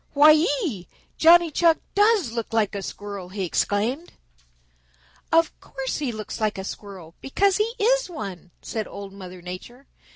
Why ee! Johnny Chuck does look like a Squirrel," he exclaimed. "Of course he looks like a Squirrel, because he is one," said Old Mother Nature.